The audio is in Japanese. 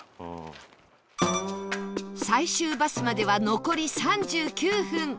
最終バスまでは残り３９分